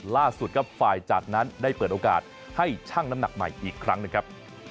ล่าสุดกับไฟล์จากนั้นได้เปิดโอกาสให้ช่างน้ำหนักใหม่อีกครั้งนะครับ